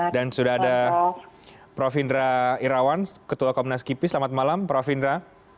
dan sudah ada prof indra irawan ketua komunas kipi selamat malam prof indra